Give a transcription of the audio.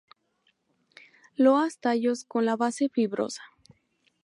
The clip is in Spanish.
Loas tallos con la base fibrosa.